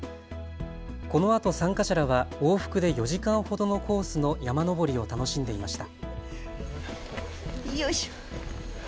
このあと参加者らは往復で４時間ほどのコースの山登りを楽しんでいました。